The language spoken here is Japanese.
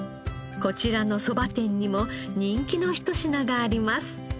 こちらのそば店にも人気のひと品があります。